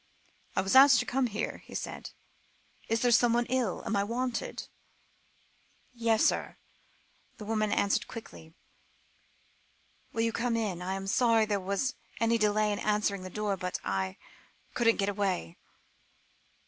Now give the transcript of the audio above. "I was asked to come here," he said. "Is there someone ill? Am I wanted?" "Yes, sir," the woman answered quietly. "Will you come in? I am sorry there was any delay in answering the door, but I couldn't get away."